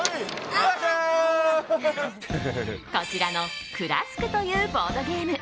こちらの、ＫＬＡＳＫというボードゲーム。